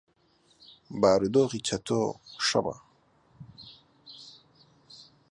بارودۆخی چەتۆ شڕە.